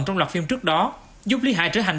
trong loạt phim trước đó giúp lý hại trở thành